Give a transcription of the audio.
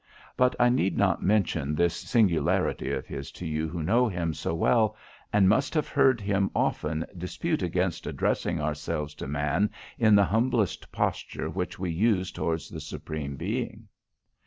but I need not mention this singularity of his to you who know him so well, and must have heard him often dispute against addressing ourselves to man in the humblest posture which we use towards the Supreme Being.